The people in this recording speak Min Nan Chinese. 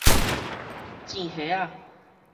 糋蝦仔